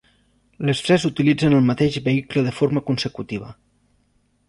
Les tres utilitzen el mateix vehicle de forma consecutiva.